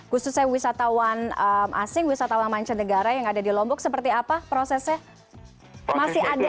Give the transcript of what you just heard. khususnya wisatawan asing wisatawan mancanegara yang ada di lombok seperti apa prosesnya masih ada